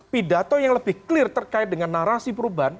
pidato yang lebih clear terkait dengan narasi perubahan